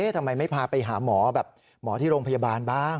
ทำไมไม่พาไปหาหมอแบบหมอที่โรงพยาบาลบ้าง